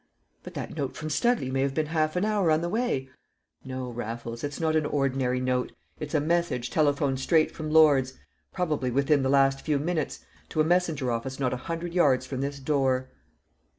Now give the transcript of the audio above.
"But that note from Studley may have been half an hour on the way." "No, Raffles, it's not an ordinary note; it's a message telephoned straight from Lord's probably within the last few minutes to a messenger office not a hundred yards from this door!"